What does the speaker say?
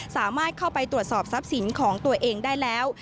สามารถเข้าไปตรวจสอบทรัพย์สินของตัวเองได้แล้ว